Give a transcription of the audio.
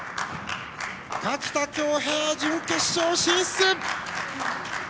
垣田恭兵、準決勝進出。